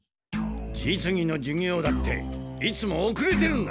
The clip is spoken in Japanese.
実技の授業だっていつもおくれてるんだ。